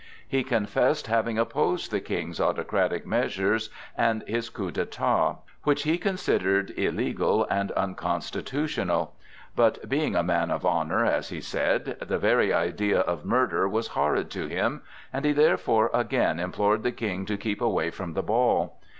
He confessed having opposed the King's autocratic measures and his coup d'état, which he considered illegal and unconstitutional. But, being a man of honor, as he said, the very idea of murder was horrid to him, and he therefore again implored the King to keep away from the ball.